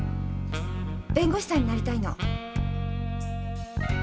弁護士さんになりたいの。